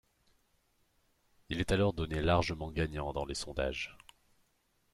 Il est alors donné largement gagnant dans les sondages.